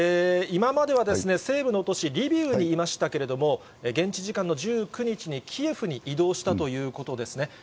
今までは西部の都市リビウにいましたけれども、現地時間の１９日にキエフに移動したということですね。